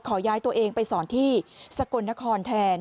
ย้ายตัวเองไปสอนที่สกลนครแทน